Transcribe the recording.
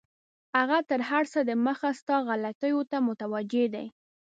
هغه تر هر څه دمخه ستا غلطیو ته متوجه دی.